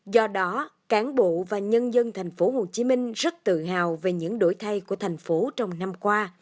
do đó cán bộ và nhân dân tp hcm rất tự hào về những đổi thay của thành phố trong năm qua